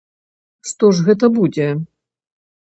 Што ж гэта будзе?